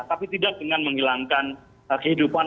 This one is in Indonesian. tapi tidak dengan menghilangkan kehidupan